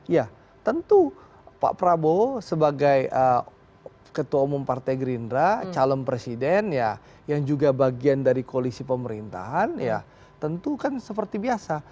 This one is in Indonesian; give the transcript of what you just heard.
ya tentu pak prabowo sebagai ketua umum partai gerindra calon presiden ya yang juga bagian dari koalisi pemerintahan ya tentu kan seperti biasa